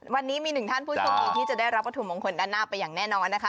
วันนี้มีหนึ่งท่านผู้โชคดีที่จะได้รับวัตถุมงคลด้านหน้าไปอย่างแน่นอนนะคะ